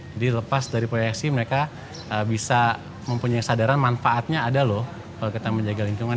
jadi lepas dari proyeksi mereka bisa mempunyai kesadaran manfaatnya ada loh kalau kita menjaga lingkungan